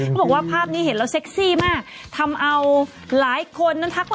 บอกว่าภาพนี้เห็นแล้วเซ็กซี่มากทำเอาหลายคนนั้นทักว่า